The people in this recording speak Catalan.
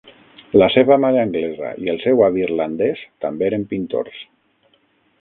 La seva mare anglesa i el seu avi irlandès també eren pintors.